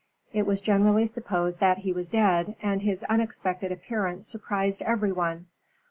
It was generally supposed that he was dead, and his unexpected appearance surprised every one.